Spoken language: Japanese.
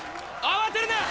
慌てるな！